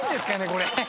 これ。